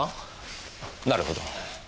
なるほど。